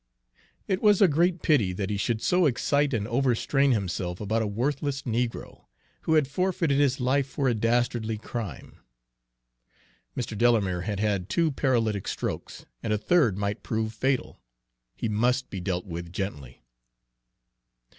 It was a great pity that he should so excite and overstrain himself about a worthless negro, who had forfeited his life for a dastardly crime. Mr. Delamere had had two paralytic strokes, and a third might prove fatal. He must be dealt with gently.